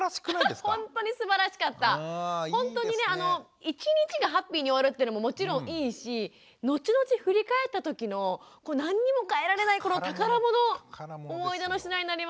ほんとにね一日がハッピーに終わるっていうのももちろんいいし後々振り返ったときの何にもかえられないこの宝物思い出の品になりますよね。